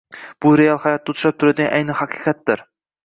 Bu real hayotda uchrab turadigan ayni haqiqatdir.